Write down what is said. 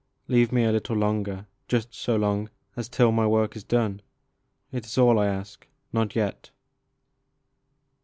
Leave me a little longer, just so long As till my work is done, t is all I ask. Not yet